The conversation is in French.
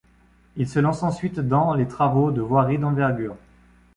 Il se lance ensuite dans les travaux de voirie d'envergure.